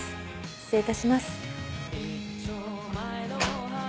失礼いたします。